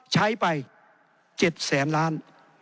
ใช้ไป๗๐๐๐๐๐ล้าน